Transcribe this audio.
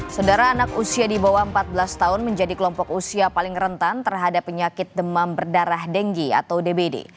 saudara anak usia di bawah empat belas tahun menjadi kelompok usia paling rentan terhadap penyakit demam berdarah denggi atau dbd